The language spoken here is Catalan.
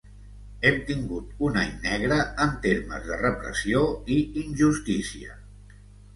Hem tingut un any negre en termes de repressió i injustícia.